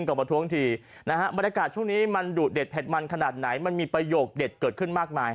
บรรยากาศช่วงนี้มันดูดเด็ดเผ็ดมันขนาดไหนมันมีประโยคเด็ดเกิดขึ้นมากมาย